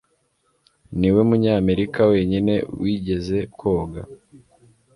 Niwe munyamerika wenyine wigeze koga